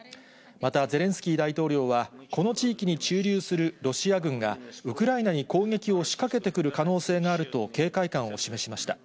またゼレンスキー大統領は、この地域に駐留するロシア軍が、ウクライナに攻撃を仕掛けてくる可能性があると、警戒感を示しました。